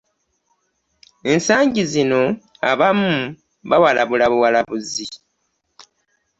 Ensangi zino abamu bawalabuwalabuzi.